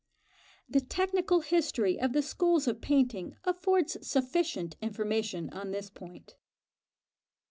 The technical history of the schools of painting affords sufficient information on this point.